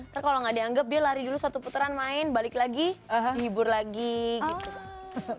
ntar kalau nggak dianggap dia lari dulu satu putaran main balik lagi dihibur lagi gitu